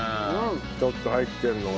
ちょっと入ってるのが。